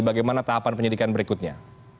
bagaimana tahapan penyelidikan berikutnya